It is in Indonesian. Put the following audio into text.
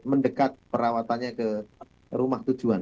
mendekat perawatannya ke rumah tujuan